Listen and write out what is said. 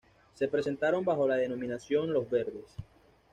Se presentaron bajo la denominación Los Verdes.